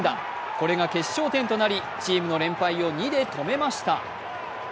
これが決勝点となりチームの連敗を２で止めました。